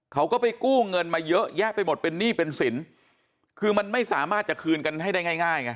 เขาก็ไปกู้เงินมาเยอะแยะไปหมดเป็นหนี้เป็นสินคือมันไม่สามารถจะคืนกันให้ได้ง่ายง่ายไง